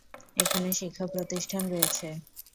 এখানে শিক্ষা প্রতিষ্ঠান রয়েছেঃ